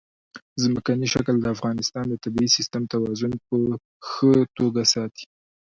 ځمکنی شکل د افغانستان د طبعي سیسټم توازن په ښه توګه ساتي.